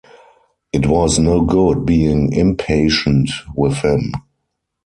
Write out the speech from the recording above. It was no good being impatient with him.